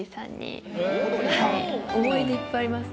思い出いっぱいあります。